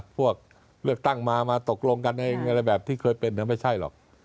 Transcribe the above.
เลือกตั้งมามาตกลงกันในอะไรแบบที่เคยเป็นไม่ใช่หรอก